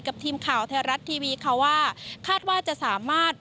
กับทีมข่าวไทยรัฐทีวีค่ะว่าคาดว่าจะสามารถ